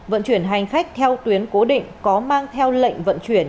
vận chuyển hành khách theo tuyến cố định có mang theo lệnh vận chuyển